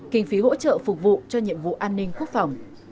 kinh phí hỗ trợ phục vụ cho nhiệm vụ an ninh quốc phòng